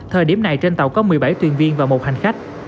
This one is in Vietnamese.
thời điểm này trên tàu có một mươi bảy thuyền viên và một hành khách